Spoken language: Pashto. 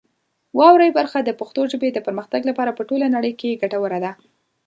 واورئ برخه د پښتو ژبې د پرمختګ لپاره په ټوله نړۍ کې ګټوره ده.